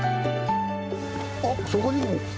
あっそこにも。